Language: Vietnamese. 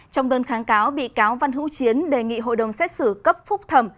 trong đơn kháng cáo bị cáo văn hữu chiến đề nghị hội đồng xét xử cấp phúc thẩm